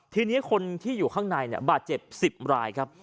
ทีนี้คนที่อยู่ข้างในบาดเจ็บ๑๐รายครับ